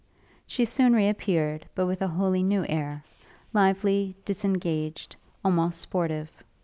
She soon re appeared, but with a wholly new air; lively, disengaged, almost sportive.